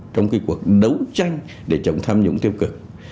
trong cuộc đấu tranh để chống tham dũng tiêu cực